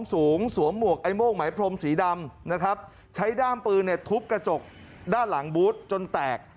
สูงสวมหมวกไอ้โม่งไหมพรมสีดำนะครับใช้ด้ามปืนเนี่ยทุบกระจกด้านหลังบูธจนแตก